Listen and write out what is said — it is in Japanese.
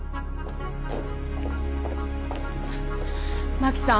真輝さん